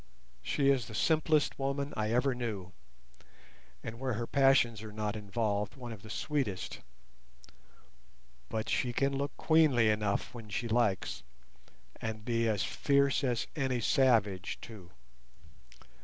She is the simplest woman I ever knew, and where her passions are not involved, one of the sweetest; but she can look queenly enough when she likes, and be as fierce as any savage too.